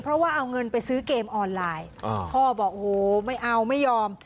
เพราะว่าเอาเงินไปซื้อเกมออนไลน์พ่อบอกโอ้โหไม่เอาไม่ยอม